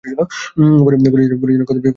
পরে যেন কর্তব্য বিষয়ে তোমাদের কোন সংশয় না থাকে।